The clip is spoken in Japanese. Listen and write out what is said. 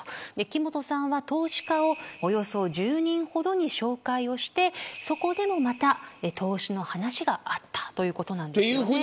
木本さんは投資家をおよそ１０人ほどに紹介をしてそこでも投資の話があったということなんですね。